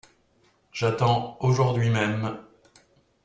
J'attends aujourd'hui même …